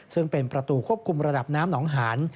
ซึ่งเป็นประตูควบคุมระดับน้ำหนองหาน